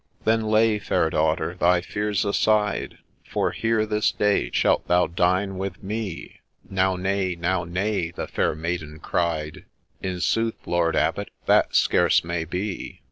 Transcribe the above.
* Then lay, Fair Daughter, thy fears aside, For here this day shalt thou dine with me !'—' Now naye, now naye,' the fair maiden cried ; 4 In sooth, Lord Abbot, that scarce may be